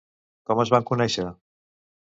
Com es van conèixer?